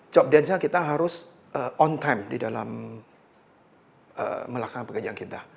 job dance nya kita harus on time di dalam melaksanakan pekerjaan kita